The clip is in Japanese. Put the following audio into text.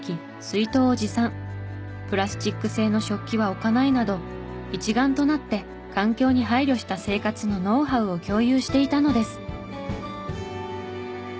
プラスチック製の食器は置かないなど一丸となって環境に配慮した生活のノウハウを共有していたのです。